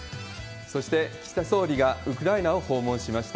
そして、岸田総理がウクライナを訪問しました。